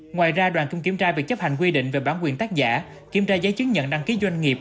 ngoài ra đoàn cũng kiểm tra việc chấp hành quy định về bản quyền tác giả kiểm tra giấy chứng nhận đăng ký doanh nghiệp